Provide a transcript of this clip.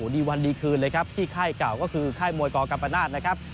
ดีวันดีคืนเลยครับที่ไข้เก่าก็คือใครที่มวยเกากัมพนาสครับ